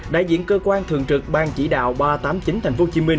đại diện cơ quan thường trực ban chỉ đạo ba trăm tám mươi chín tp hcm